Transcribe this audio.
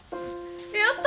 やった！